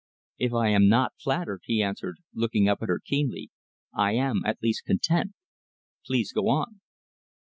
"If I am not flattered," he answered, looking at her keenly, "I am at least content. Please go on."